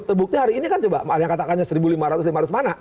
terbukti hari ini kan coba yang katakannya seribu lima ratus lima ratus mana